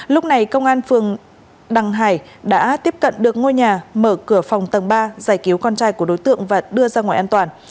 lúc này công an phường đằng hải đã tiếp cận được ngôi nhà mở cửa phòng tầng ba giải cứu con trai của đối tượng và đưa ra ngoài an toàn